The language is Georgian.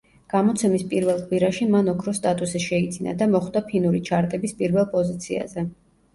გამოცემის პირველ კვირაში მან ოქროს სტატუსი შეიძინა და მოხვდა ფინური ჩარტების პირველ პოზიციაზე.